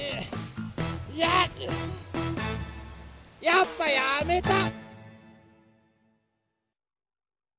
やっぱやめた！